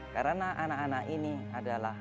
karena anak anak ini adalah